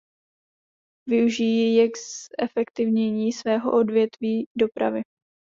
Využijí je k zefektivnění svého odvětví dopravy?